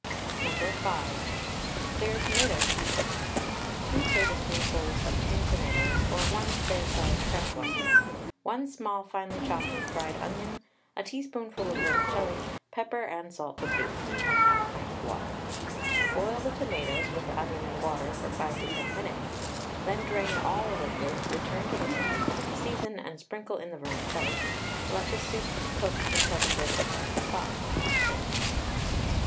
No. 5. CLEAR TOMATO SOUP. 2 tablespoonfuls of tinned tomatoes, or 1 fair sized fresh one, 1 small finely chopped and fried onion, a teaspoonful of vermicelli, pepper and salt to taste, 1/2 pint of water. Boil the tomatoes with the onion and water for 5 to 10 minutes, then drain all the liquid; return to the saucepan, season and sprinkle in the vermicelli, let the soup cook until the vermicelli is soft, and serve.